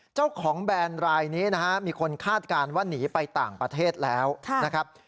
แบรนด์รายนี้นะฮะมีคนคาดการณ์ว่าหนีไปต่างประเทศแล้วนะครับ